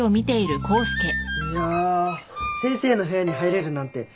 いやあ先生の部屋に入れるなんて感無量です！